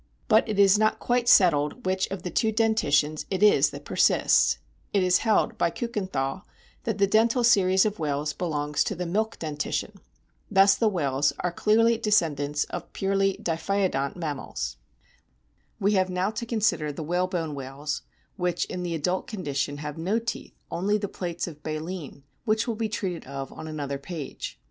But it is not quite settled which of the two dentitions it is that persists. It is held by Kiikenthal that the dental series of whales belongs to the milk dentition. Thus the whales are clearly descendants of purely diphyodont mammals. We have now to consider the whalebone whales, which, in the adult condition, have no teeth, only the plates of baleen, which will be treated of on another page (p.